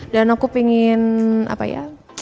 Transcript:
dan aku pengen apa ya